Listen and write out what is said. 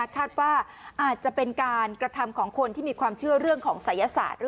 คาดว่าอาจจะเป็นการกระทำของคนที่มีความเชื่อเรื่องของศัยศาสตร์